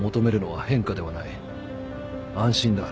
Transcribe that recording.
安心だ。